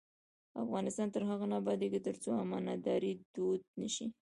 افغانستان تر هغو نه ابادیږي، ترڅو امانتداري دود نشي.